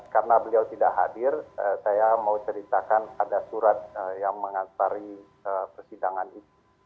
karena beliau tidak hadir saya mau ceritakan ada surat yang mengasari persidangan itu